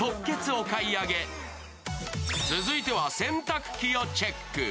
続いては洗濯機をチェック。